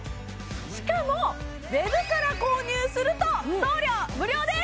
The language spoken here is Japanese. しかもウェブから購入すると送料無料です！